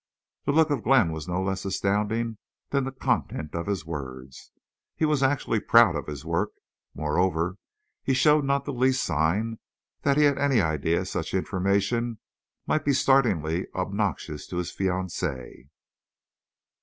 The look of Glenn was no less astounding than the content of his words. He was actually proud of his work. Moreover, he showed not the least sign that he had any idea such information might be startlingly obnoxious to his fiancée.